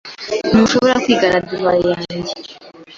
Ntushobora kwigana divayi yanjye?